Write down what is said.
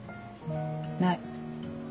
ない。